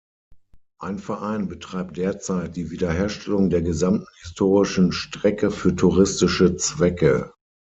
Ein Verein betreibt derzeit die Wiederherstellung der gesamten historischen Strecke für touristische Zwecke.